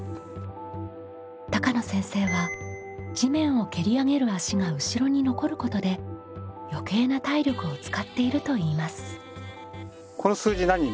高野先生は地面を蹴り上げる足が後ろに残ることで余計な体力を使っていると言います。